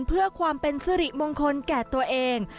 เพื่อความเป็นสิริมงคลแก่ตัวเอง